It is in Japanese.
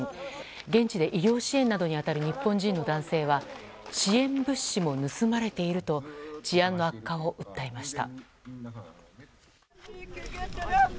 現地で医療支援などに当たる日本人の男性は支援物資も盗まれていると治安の悪化を訴えました。